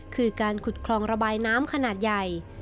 คือการขุดคลองระบายน้ำขนาดใหญ่